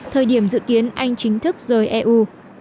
thời điểm dự kiến anh chính thức rời eu